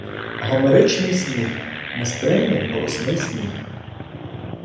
Гомеричний сміх - нестримний, голосний сміх